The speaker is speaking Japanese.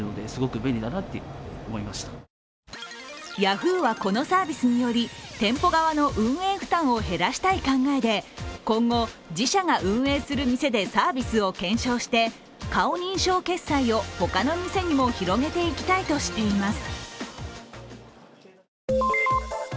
Ｙａｈｏｏ！はこのサービスにより、店舗側の運営負担を減らしたい考えで今後、自社が運営する店でサービスを検証して顔認証決済を他の店にも広げていきたいとしています。